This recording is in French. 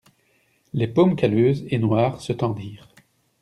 Les paumes calleuses et noires se tendirent.